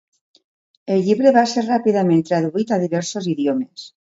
El llibre va ser ràpidament traduït a diversos idiomes.